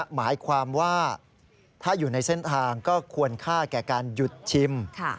หมายความว่าถ้าอยู่ในเส้นทางก็ควรค่าแก่การหยุดชิม